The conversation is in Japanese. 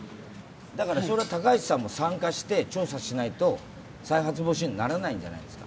それは高市さんも参加して調査しないと再発防止にならないんじゃないですか。